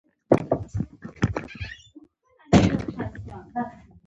د اماني دورې خبره کوو.